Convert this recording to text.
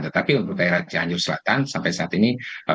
tetapi untuk daerah cianjur selatan sampai saat ini